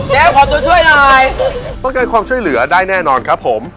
ขอตัวช่วยหน่อยต้องการความช่วยเหลือได้แน่นอนครับผม